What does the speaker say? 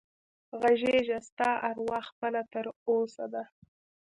غږېږه ستا اروا خپله تر اوسه ده